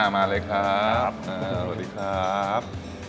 มาเลยครับสวัสดีครับ